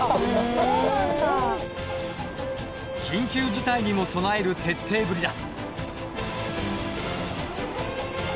緊急事態にも備える徹底ぶりだ。